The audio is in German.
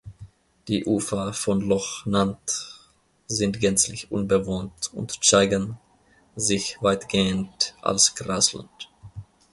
Die Ufer von Loch Nant sind gänzlich unbewohnt und zeigen sich weitgehend als Grasland.